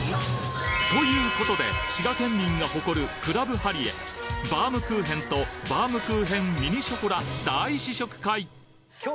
ということで滋賀県民が誇るクラブハリエバームクーヘンとバームクーヘンｍｉｎｉショコラ大試食会！